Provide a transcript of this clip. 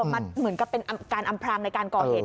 มันเหมือนเป็นอัมพรางในการก่อเหตุ